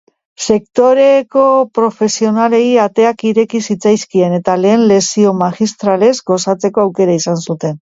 Sektoreko profesionalei ateak ireki zitzaizkien eta lehen lezio magistralez gozatzeko aukera izan zuten.